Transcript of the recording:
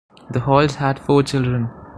The Halls had four children.